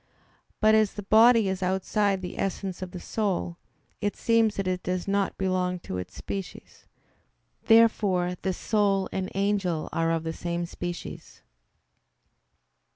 But as the body is outside the essence of the soul, it seems that it does not belong to its species. Therefore the soul and angel are of the same species.